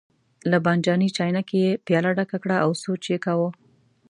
له بانجاني چاینکې یې پیاله ډکه کړه او سوچ یې کاوه.